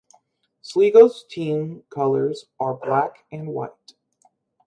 Sligo's team colours are black and white.